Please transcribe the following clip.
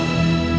nanti gue jalan